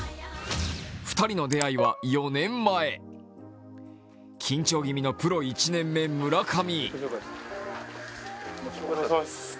二人の出会いは４年前緊張気味のプロ１年目、村上。